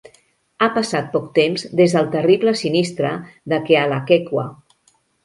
Ha passat poc temps des del terrible sinistre de Kealakekua.